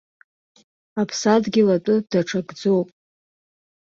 Аԥсадгьыл атәы даҽакӡоуп.